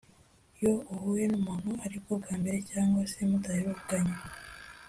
yo uhuye n‘umuntu ari bwo bwa mbere, cyangwa se mudaherukanye,